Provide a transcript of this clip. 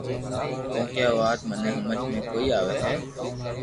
ڪونڪھ آ وات مني ھمگ ۾ڪوئي آوي ھي